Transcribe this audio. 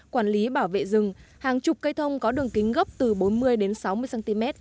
quản lý bảo vệ rừng hàng chục cây thông có đường kính gốc từ bốn mươi đến sáu mươi cm